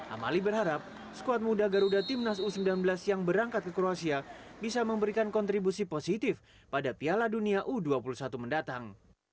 amali berharap squad muda garuda timnas u sembilan belas yang berangkat ke kroasia bisa memberikan kontribusi positif pada piala dunia u dua puluh satu mendatang